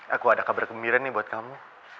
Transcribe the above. aku ada kabar gembira nih buat kamu